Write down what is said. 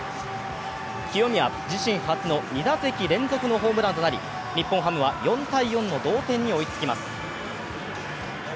清宮自身初の２打席連続のホームランとなり日本ハムは４−４の同点に追いつきます。